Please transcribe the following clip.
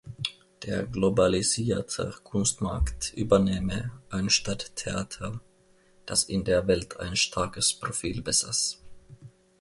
Der globalisierte Kunstmarkt übernehme ein Stadttheater, das in der Welt ein starkes Profil besaß.